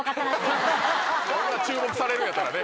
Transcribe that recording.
こんな注目されるんやったらね。